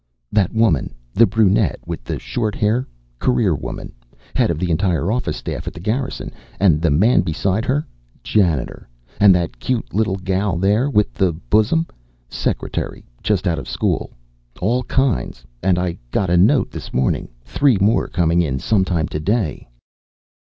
"That woman. The brunette, with the short hair. Career woman. Head of the entire office staff of the Garrison. And the man beside her. Janitor. And that cute little gal there, with the bosom. Secretary, just out of school. All kinds. And I got a note this morning, three more coming in sometime today."